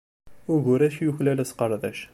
Ugur-a yuklal asqerdec.